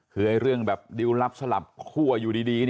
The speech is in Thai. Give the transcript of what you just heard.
คือเรื่องแบบดิวลลับสลับคั่วอยู่ดี